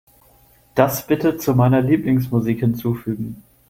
Das bitte zu meiner Lieblingsmusik hinzufügen.